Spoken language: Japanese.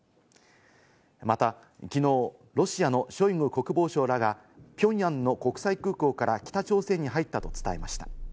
また、きのう、ロシアのショイグ国防相らがピョンヤンの国際空港から北朝鮮に入ったと伝えました。